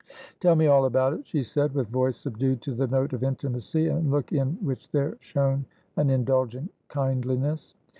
"Tell me all about it," she said, with voice subdued to the note of intimacy, and look in which there shone an indulgent kindliness.